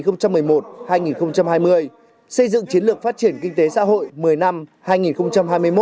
xây dựng chiến lược phát triển kinh tế xã hội một mươi năm hai nghìn hai mươi một hai nghìn ba mươi